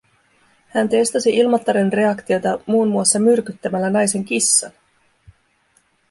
Hän testasi Ilmattaren reaktiota muun muassa myrkyttämällä naisen kissan.